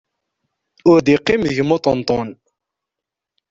Ur d-iqqim deg-m uṭenṭun.